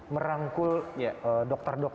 merangkul dokter dokter atau anggota dokter indonesia